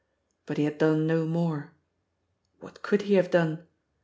But he had done no more. What could he have done?